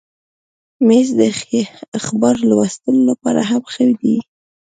مېز د اخبار لوستلو لپاره هم ښه دی.